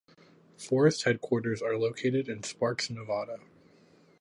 Forest headquarters are located in Sparks, Nevada.